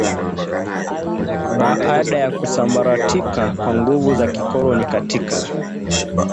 baada ya kusambaratika kwa nguvu za kikoloni katika